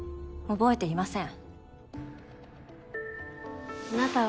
覚えていません！